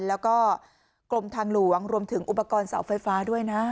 แล้วก็กรมทางหลวงรวมถึงอุปกรณ์เสาไฟฟ้าด้วยนะ